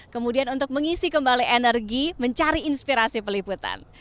kemudian untuk mengisi kembali energi mencari inspirasi peliputan